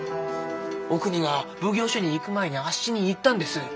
おくにが奉行所に行く前にあっしに言ったんです。